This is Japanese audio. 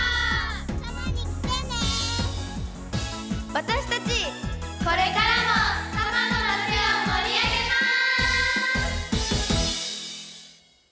私たち、これからも多摩の街を盛り上げます！